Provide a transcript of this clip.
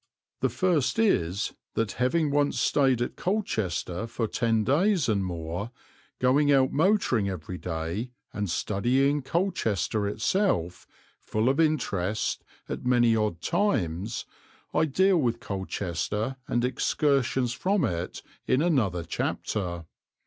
The first is that having once stayed at Colchester for ten days and more, going out motoring every day, and studying Colchester itself, full of interest, at many odd times, I deal with Colchester and excursions from it in another chapter.